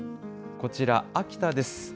こちら、秋田です。